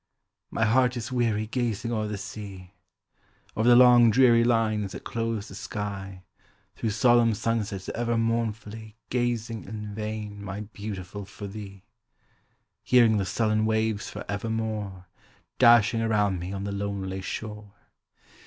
My heart is weary gazing o'er the sea; O'er the long dreary lines that close the sky; Through solemn sun sets ever mournfully, Gazing in vain, my Beautiful, for thee; Hearing the sullen waves for evermore Dashing around me on the lonely shore.